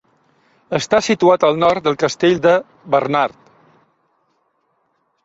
Està situat al nord del castell de Barnard.